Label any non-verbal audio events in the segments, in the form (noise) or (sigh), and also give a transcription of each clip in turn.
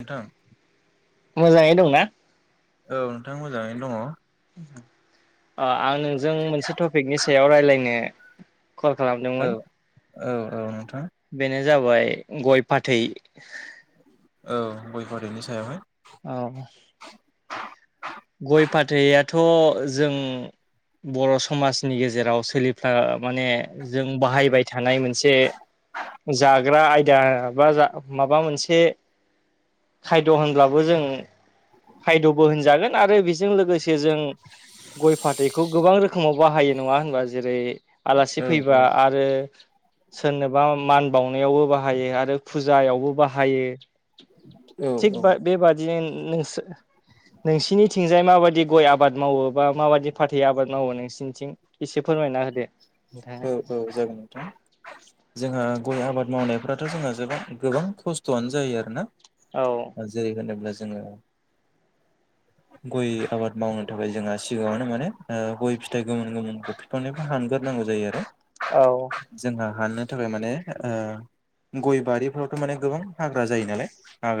नोंथां? मोजांङै दंना? औव नोंथां मोजांङैनो दंङो। अ, आं नोंजों मोनसे टपिकनि सायाव रायज्लायनो कल खालामदोंमोन? औ औ नोंथां बेनो जाबाय, गय-फाथै, औव गय-फाथैनि सायाव हाय। औव। गय- फाथैयाथ' बर' समाजनि गेजेराव सोलिफ्रा माने, जों बाहायबाय थानाय मोनसे जाग्रा आयदा। बा जा माबा मोनसे खायद' होनब्लाबो जों, खायद'बो होनजागो आरो बेजों लोगोसे जों गय-फाथैखौ गोबां रोखोमाव बाहायो ‌। नङा होबा। जेरै-आलासि औ फैयोबा औ आरो सोरनोबा मान बावनायावबो बाहायो आरो फुजायावबो बाहायो। औ थिग बा बेबादिनो नोंसर नोंसिनि थिंजाय माबायदि गय आबाद मावो, बा माबादि फाथै आबाद मावो नोंसोरनिथिं? एसे फोरमायना होदो नोंथां? औव, जागोन नोंथां। जोंहा गय आबाद मावनायफ्राथ' जोंहाबां गोबां खस्थ'आनो जायो आरो ना। औव। जेरै- होनोब्ला जोंङो गय आबाद मावनो थाखाय जोंहा सिगाङावनो माने, गय फिथाइ गोमोन- गोमोनखो बिफांनिफ्राय हानग्रोनांगौ जायो आरो। औ जोंहा हानानो थाखाय माने गय बारिफ्रावथ' माने गोबां हाग्रा जायो नालाय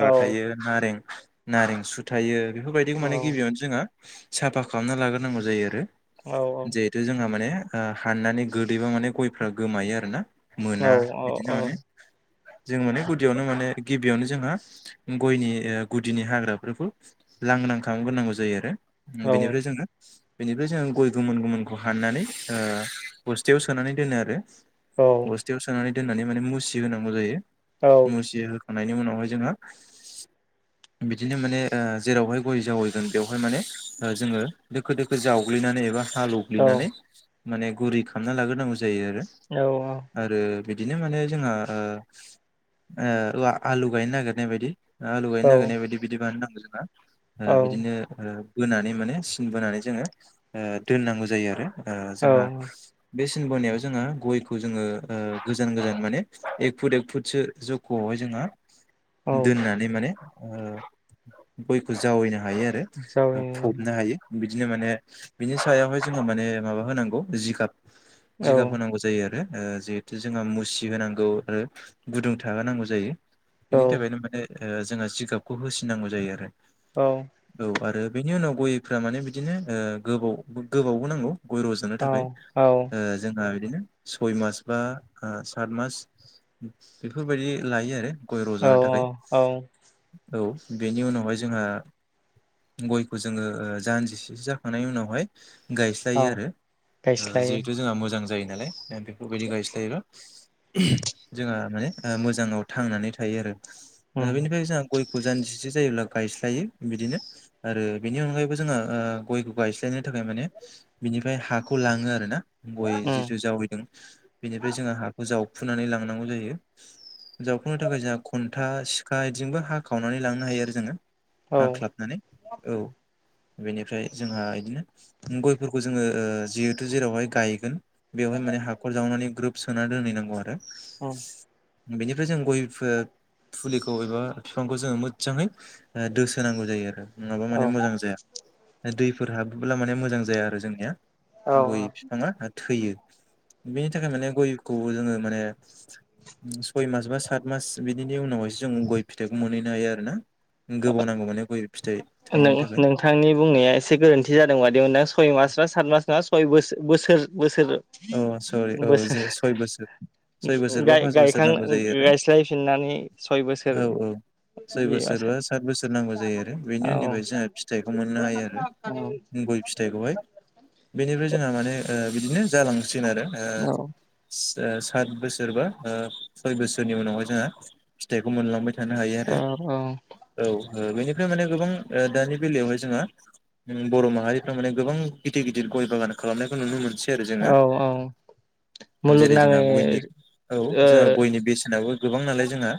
औ थायो नारें नारें सु थायो बेफोरबायदिखौ माने गिबियावनो जोंहा साफा खालामना लाग्रोनांगौ जायो आरो औ औ जेर जोंहा माने हाननानै गोदैबा माने गयफ्रा गोमायो आरो ना। औ मोना बिदिनो माने औ जों माने गुदियावनो माने गिबियावनो जोंहा गयनि गुदिनि हाग्राफोरखौ लांनां खालामग्रोनांगौ जायो आरो औ बेनिफ्राय जोङो बेनिफ्राय जोङो गय गोमोन गोमोन हाननानै बस्थायाव सोनानै दोनो आरो बस्थायाव सोनानै दोन दनानै म मु होनांगौ जायो मुसि होखांनायनि उनावहाय जोंहा (inaudible) बिदिनो माने जेरावहाय गय जावैदों बेवहाय माने जोङो दोखो दोखो जावग्लिनानै एबा हालौव दग्लैनानै माने गुरै खालामना लाग्रोनांगौ जायो आरो औ औ आरो बिदिनो माने जोंहा आलु गायनो नागिरनाय बायदि आलु गायनो नागिरनाय बायदि बिदि बानाय नांगौ जोंहा औ बिदिनो बोनानै माने सिन बोनानै जोङो दोननांगौ जायो आरो औ जोंहा बे सिन बोनायाव जोंङो गयखौ जोङो गोजान गोजान माने एक फुट एक फुटसो ज गहाय जोंहा औ दोननानै माने गयखौ जावैनो हायो आरो फबनो जावैयो हायो बिदिनो माने बिनि सायावाय जोङो माने माबा होनांगौ जिगाब औ जिगाब होनांगौ जायो आरो जिहेथु जोंहा मुसि होनोनांगौ आरो गुदुं थाहोनांगौ जायो औ बेनि थाखायनो माने जोङो जिगाबखौ होसिनांगौ जायो आरो औ औ आरो बेनि उनाव गयफ माने बिदिनो गोबाव गोबावबो नांगौ गय रजनो थाखाय जोंहा बिदिनो सय मास बा सात मास बेफोरबायदि लायो आरो गय औ रज'ानो थाखाय औ औ बेनि उनावहाय जोंहा गयखौ जोङो जानजिसेसो जाखांनायनि उनावहाय औ गायस्लायो आरो गायस्लायो जिहेथु जोंहा मोजां जायो नालाय बेफोरबायदि गायस्लायोबा जोंहा माने मोजाङाव थांनानै थायो आरो उम र बिनिफ्रायाय गय फुजान जिसे जायोब्ला गायस्लायो बिदिनो आरो बेनि अनगायैबो जोंङो गयखौ गायस्लायनो थाखाय माने बिनिफ्राय हाखौ लाङो आरो ना गय उम जिथु जावैदों बेनिफ्राय जोङो हाखौ जावफुनानै लांनांगौ जायो जावखुंनो थाखाय जोंहा खन्था सिखा बिदिजोंबो हाखावनानै लांनो हायो आरो जोङो औ हाख्लाबनानै औ बेनिफ्राय जोंहा बिदिनो गयफोरखौ जोङो जिहेथु जेरावहाय गायगोन बेवहाय माने हाखर जावनानै ग्रोब सोना दोनहैनांगौ आरो औ बेनिफ्राय जों गयफोर फुलिखौ एबा बिफांखौ जोङो मोजाङै दोसोनांगौ जायो आरो नङाबा औ माने मोजां जाया दैफोर हाबोब्ला माने मोजां जाया आरो जोंनिया औ गय बिफाङा थैयो बेनि थाखाय माने गयखौबो जोङो माने सय मास बा सााथ मास बिदिनि उनावहसो जों गय फिथाइखौ मोनहैनो हायो आरो ना गोबाव नांगौ माने गय फिथाइ न थायनो न थाखाय नोंथांनि बुंनाया एसे गोरोन्थि जादों मादेमोनथां सय मास न सात मास ना सय बोसोर बोसोर औ सरि बोसोर औ जे बोसोर सय बोसोर सय बोसोर (unintelligible) बा पास बोसोर गाय-गायखां नांगौ ओ जायो आरो गायस्लायफिननानै सय बोसोर औ औ सय बिदि बोसोर बा औ सात बोसोर नांगौ जायो आरो। बेनि औ उननिफ्राय जोंहा फिथाइखौ मोननो हायो औ आरो। गय फिथाइखौहाय बेनिफ्राय जोंहा माने ओ बिदिनो जालांसिगोन आरो ओ सा ओ सात बोसोर बा ओ सय बोसोरनि उनावहाय जोंहा फिथाइखौ मोनलांबाय थानो हायो आरो औ। ओ बेनिफ्राय माने गोबां ओ दानि बेलायावहाय जोङहा। जों बर' माहारिफ्रा माने गोबां गिदिर गिदिर गय बागान खालामनायखौ नुनो मोनसै आरो जोङो औ औ जेरै जोंहा मुलुगनाङै गयनि औ ओ जोंहा गयनि बेसेनाबो गोबां नालाय जोंहा।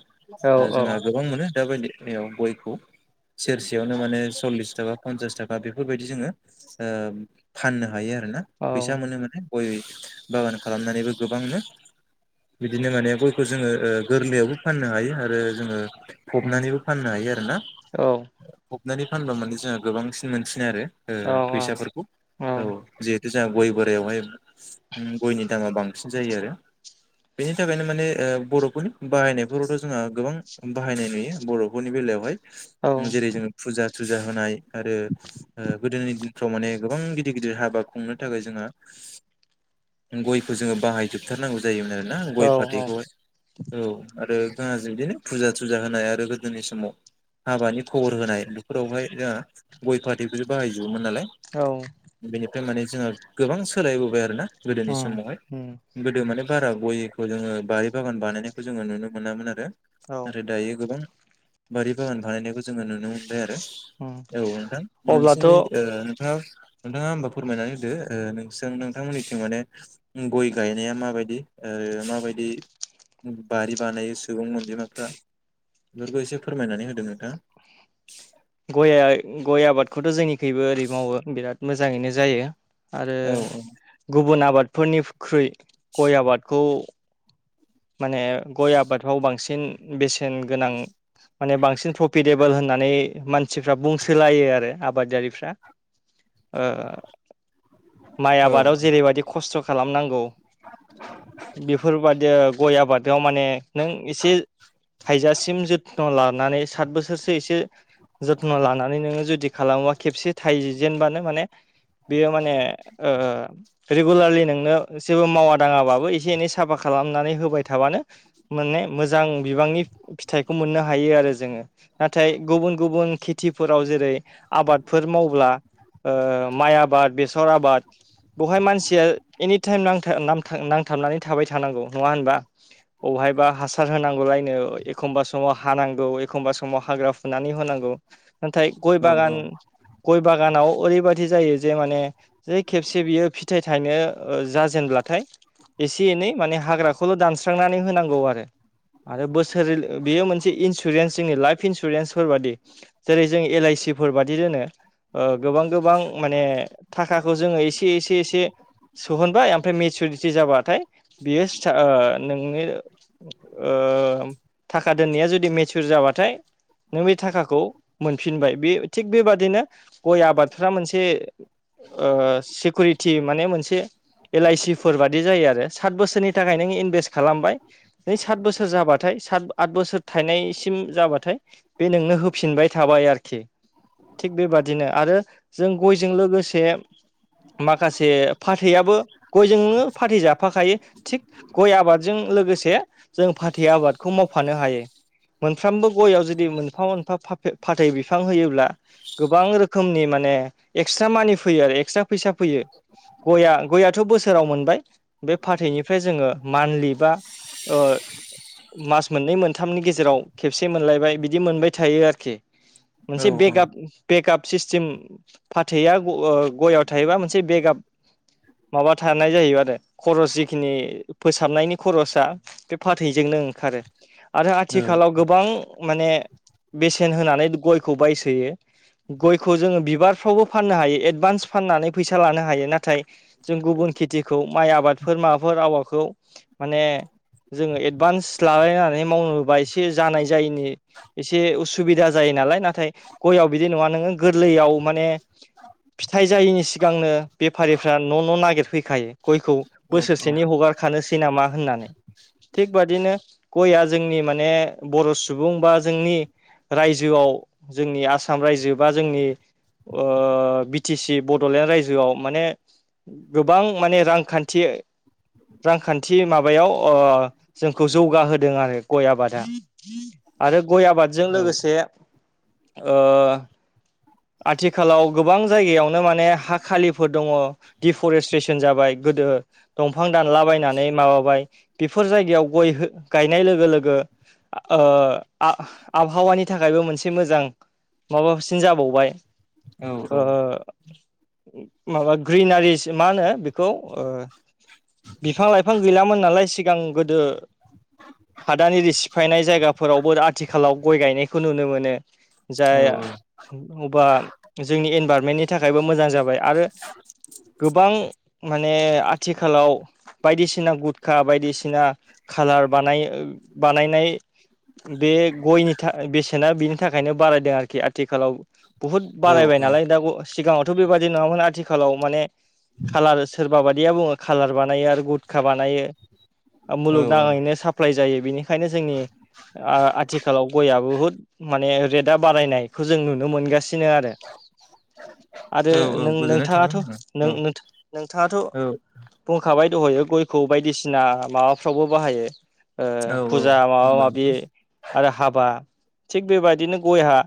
ओ औ औ जोंहा गोबां मोनो दा बायदियाव गयखौ सेरसेयावनो माने सल्लिस थाखा फनसास थाखा बेफोरबायदि जोङो ओ फाननो हायो आरो ना। औ। नुनो मोनो। गय बागान खालामनानैबो गोबांनो बिदिनो माने गयखौ जोङो ओ गोरलैयावबो फाननो हायो आरो जोङो उम फबनानैबो फाननो हायो आरोना। औ फबनानै फानबा माने जोंहा गोबांसिन मोनसिनो आरो। ओ औ फैसाफोरखौ। औ जिहेथु जोंहा गय बो बेवहाय हम गयनि दामा बांसिन जायो आरो। बेनि थाखायनो माने ओ बर'फोर बाहायनायफोरावथ' जोंहा गोबां बाहायनाय नुयो बर'फोरनि बेलायावहाय ओं जेरै जोङो फुजा थुजा होनाय आरो ओ गोदोनि दिन थ' माने गोबां गिदिर गिदिर हाबा खुंनो थाखाय जोंहा ओम गयखौ जोङो बाहायजोबथारनांगौ जायोमोन आरोना गय औ फाथैखौहाय। औ आरो गाहाज बिदिनो फुजा थुजा होनाय आरो गोदोनि समाव हाबानि खबर होनाय बेफोरावहाय जोंहा गय फाथैखौसो बाहायजोबोमोन नालाय। औ। बेनिफ्राय माने जोङो गोबां सोलायबोबाय आरोना गोदोनि उम समावहाय उम गोदो माने बारा गयखौ जोङो बारि बागान बानायनायखौ जोङो नुनो मोनामोन आरो। औ नाथाय दायो गोबां बारि बागान बानायनायखौ जोङो नुनो मो बाय आरो। उम औ नोंथां अब्लाथ' नोंसोर ओ नोंथाङा नोंथाङा होमबा फोरमायनानै होदो ओ नोंसों नोंथांमोननिथिं माने ओ गय गायनाया माबायदि ओ माबायदि बारि बानायो सुबुं अनजिमाफ्रा बेफोरखौ एसे फोरमायनानै होदों नोंथां। गया गय आबादखौथ' जोंनिखिबो ओरै मावो बिराद मोजाङैनो जायो। आरो औ गुबुन आबादफोरनिख्रुइ गय आबादखौ माने गय आबादफ्राव बांसिन बेसेन गोनां माने बांसिन प्रफिटेबोल होननानै मानसिफ्रा बुंसोलायो आरो आ आबादारिफ्रा‌। ओ माइ औ आबादाव जेरैबायदि ख खस्थ' खालामनांगौ बेफोरबादि ओ गय आबाद बेयाव माने नों एसे थायजासिम जथ्न' लानानै सात बोसोरसो एसे जथ्न' लानानै नोङो जुदि खालामो खेबसे थाइजेनबानो माने बेयो माने ओ रेगुलारलि नोंनो जेबो मावा दाङाबाबो एसे एनै साफा खालामनानै होबाय थाबानो मोने मोजां बिबांनि फिथाइखौ मोननो हायो आरो जोङो। नाथाय गुबुन गुबुन खेथिफोराव जेरै आबादफोर मावब्ला ओ माइ आबाद, बेसर आबाद बेवहाय मानसिया एनि टाइम नांथा-नामथां नांथाबनानै थाबाय थानांगौ नङा होनबा? औहायबा हासार होनांगौलायनो, एखमबा समाव हानांगौ, एखमबा समाव हाग्रा फुनानै होनांगौ नाथाय गय औ बागान गय बागानाव ओरैबादि जायो जे माने जे खेबसे बियो फिथाइ थाइनो ओ जाजेनब्लाथाय एसे एनै माने हाग्राखौल' दानस्रांनानै होनांगौ आरो। आरो बोसोर बेयो मोनसे इन्सुरेन्स जोंनि लाइफ इन्सुरेन्सफोर बादि। जेरै जों एल आइसिफोर बादि दोनो। ओ गोबां गोबां माने थाखाखौ जोङो एसे एसे एसे सोहनबाय ओमफ्राय मेचरिटि जाबाथाय बियो सिटा ओ नोंनि ओ थाखा दोननाया जुदि मेचुर जाबाथाय नों बे थाखाखौ मोनफिनबाय बे थिग बेबादिनो गय आबादफ्रा मोनसे ओ सिकुरिटि माने मोनसे एल आइसि फोर बादि जायो आरो। सात बोसोरनि थाखाय नों इनभेस्ट खालामबाय जै सााथ बोसोर जाबाथाय साथ आथ बोसोर थाइनायसिम जाबाथाय बे नोंनो होफिनबाय थाबाय आरोखि थिग बेबादिनो आरो जों गयजों लोगोसे माखासे फाथैयाबो गयजोंनो फाथै जाफाखायो थिग गय आबाद जों लोगोसे जों फाथै आबादखौ मावफानो हायो मोनफ्रोमबो गआव जुदि मोनफा मोनफा फाफे फाथै बिफां होयोब्ला गोबां रोखोमनि माने एक्सट्रा मानि फैयो आरो एक्सट्रा फैसा फैयो गया गयाथ' बोसोराव मोनबाय बे फाथैनिफ्राय जोङो मान्थलि बा ओ मास मोननै मोनथामनि गेजेराव खेबसे मोनलायबाय बिदि मोनबाय थायो आरोखि औ मोनसे औ बेकआप बेकआप सिस्टेम फाथैया गयआव थायोबा मोनसे बेकआप माबा थानाय जाहैबाय आरो खरस जिखिनि फोसाबनायनि खरसा बे फाथैजोंनो ओंखारो आरो औ आथिखालाव गोबां माने बेसेन होनानै गयखौ बायसोयो गयखौ जोङो बिबारफ्रावबो फाननो हायो एडभान्स फाननानै फैसा लानो हायो नाथाय जों गुबुन खेथिखौ माइ आबादफोर माबाफोर आवादखौ माने जोङो एडभान्स लालायनानै मावनोबा एसे जानाय जायिनि एसे उसुबिदा जायो नालाय नाथाय गयाव बिदि नङा नोङो गोरलैयाव माने फिथाइ जायिनि सिगांनो बेफारिफ्रा न' न' नागिरफैखायो गयखौ बोसोरसेनि हगारखानोसै नामा होननानै थिग बादिनो गयया जोंनि माने बर' सुबुं बा जोंनि रायजोआव जोंनि आसाम रायजो बा जोंनि ओ बि टि सि बड'लेण्ड रायजोआव माने गोबां माने रांखान्थि रांखान्थि थि माबायाव जोंखौ जौगाहोदों आरो गय आबादा आरो गय आबादजों औ लोगोसे ओ आथिखालाव गोबां जायगायावनो माने हा खालिफोर दङ दिफरेस्ट्रेसन जाबाय गोदो दंफां दानलाबायनानै नै माबाबाय बेफोर जायगायाव गय गायनाय लोगो लोगो ओ आबहावानि थाखायबो मोनसे मोजां माबासिन जाबावबाय औ माबा ग्रिनारिस मा होनो बेखौ बिफां लाइफां बिफां गैलामोन नालाय सिगां गोदो हादानि सिफायनाय जायगाफोरावबो आथिखालाव गय गायनायखौ नुनो मोनो जाय औ अबा जोंनि इनभाररमेन्टनि थाखायबो मोजां जाबाय आरो गोबां माने आथिखालाव बायदिसिना गुुदखा बायदिसिना खालार बानाय बानायनाय बे गयनि था बेसेना बिनि थाखायनो बारायदों आरोखि आथिखालाव बुहुत औ बारायबाय औ नालाय दा सिगाङावथ' बेबादि नङामोन आथिखालाव माने खाालार सोरबा बायिया बुङो खाालार बानायो आरो गुुरखा बानायो मुलुगनााङैनो साप्लााय जायो बेनिखायनो जोंनि आथिखालाव गयआ बुहुद माने रेटआ बारायनायखौ जों नुनो मोनगासिनो आरो (inaudible) आरो औ नों गोजोननाय थाबाय नोंथाङाथ' आंना नों औ नों नोंथाङाथ' औ बुंखाबाय दहयो गयखौ बायदिसिना माबाफ्रावबो बाहायो। ओ औ औ फुजा माबा बुंबाय माबि नोंथां आरो हाबा थिग बेबायदिनो गयहा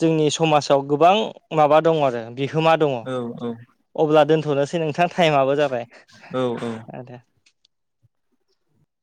जोंनि समाजाव गोबां माबा दं आरो बिहोमा दङ औ औ अब्ला दोनथ'नोसै नोंथां टाइमाबो जाबाय। औ-औ आ दे।